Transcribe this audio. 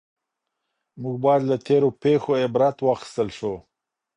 موږ باید له تېرو پېښو عبرت واخیستل سو.